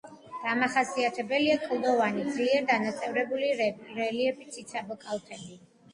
დამახასიათებელია კლდოვანი, ძლიერ დანაწევრებული რელიეფი, ციცაბო კალთები.